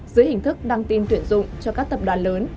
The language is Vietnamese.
dưới hình thức đăng tin tuyển dụng cho các tập đoàn lớn